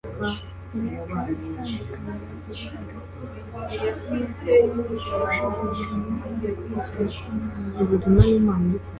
Mbega itandukaniro riri hagati y'uko gushidikanya n'ukwizera k’umwana muto